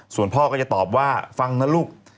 ส่วนพ่อก็จะตอบว่าฟังนะลูก